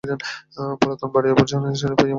পুরাতন বাড়িটা ভবানীচরণ পাইয়া মনে করিলেন ভারি জিতিয়াছি।